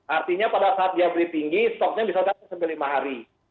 artinya pada saat dia beli tinggi stoknya bisa sampai lima hari